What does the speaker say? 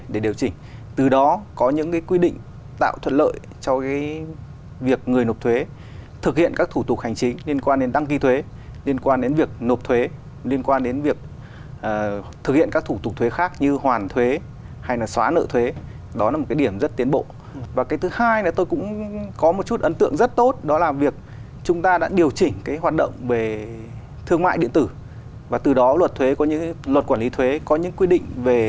để điều chỉnh từ đó có những quy định tạo thuận lợi cho việc người nộp thuế thực hiện các thủ tục hành chính liên quan đến đăng ký thuế liên quan đến việc nộp thuế liên quan đến việc thực hiện các thủ tục thuế khác như hoàn thuế hay là xóa nợ thuế đó là một cái điểm rất tiến bộ và cái thứ hai là tôi cũng có một chút ấn tượng rất tốt đó là việc chúng ta đã điều chỉnh cái hoạt động về thương mại điện tử và từ đó luật thuế có những luật quản lý thuế có những quy định về